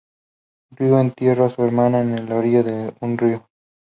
Ryu entierra a su hermana en la orilla de un río.